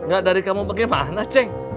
gak dari kamu bagaimana ceng